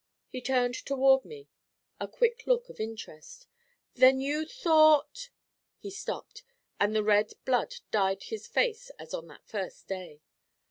He turned toward me a quick look of interest. 'Then you thought ' He stopped, and the red blood dyed his face as on that first day.